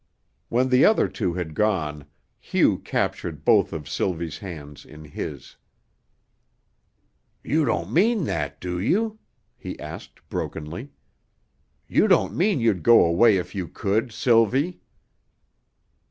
When the other two had gone, Hugh captured both of Sylvie's hands in his. "You don't mean that, do you?" he asked brokenly. "You don't mean you'd go away if you could, Sylvie!"